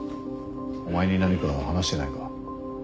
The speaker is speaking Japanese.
お前に何か話してないか？